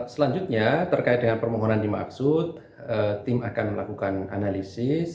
selanjutnya terkait dengan permohonan dimaksud tim akan melakukan analisis